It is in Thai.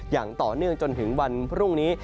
อย่างต่อเนื่องจนถึงวันพรุ่งนี้